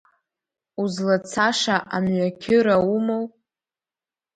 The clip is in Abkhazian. Узлацаша амҩақьыра умоу?